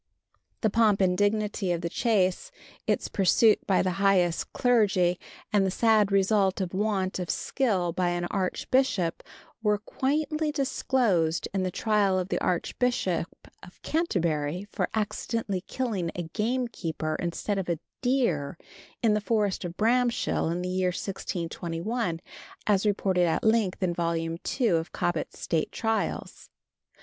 The pomp and dignity of the chase, its pursuit by the highest clergy and the sad result of want of skill by an archbishop are quaintly disclosed in the trial of the Archbishop of Canterbury for accidentally killing a game keeper instead of a deer in the forest of Bramshill in the year 1621, as reported at length in Vol. II. of Cobbett's State Trials.